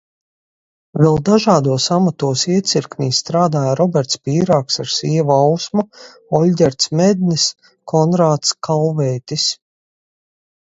Vēl dažādos amatos iecirknī strādāja Roberts Pīrāgs ar sievu Ausmu, Olģerts Mednis, Konrāds Kalveitis.